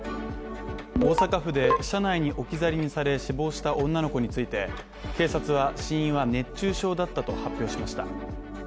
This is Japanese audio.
大阪府で車内に置き去りにされ死亡した女の子について警察は、死因は熱中症だったと発表しました。